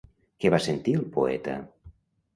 Què va sentir el poeta?